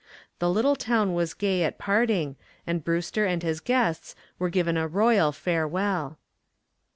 The little town was gay at parting and Brewster and his guests were given a royal farewell.